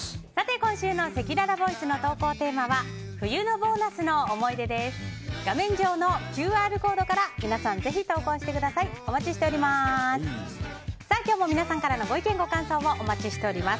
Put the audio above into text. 今週のせきららボイスの投稿テーマは冬のボーナスの思い出です。